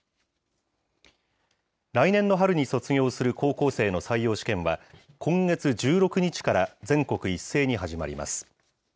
来年の春に卒業する高校生の採用試験は、今月１６日から全国一斉に始まります。